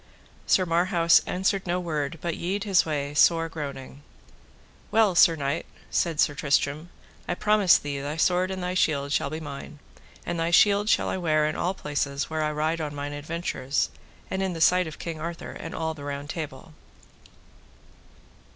Sir Marhaus answered no word but yede his way sore groaning. Well, Sir Knight, said Sir Tristram, I promise thee thy sword and thy shield shall be mine; and thy shield shall I wear in all places where I ride on mine adventures, and in the sight of King Arthur and all the Round Table.